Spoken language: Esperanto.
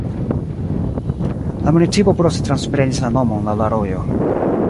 La municipo poste transprenis la nomon laŭ la rojo.